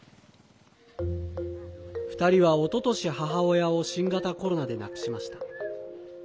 ２人は、おととし母親を新型コロナで亡くしました。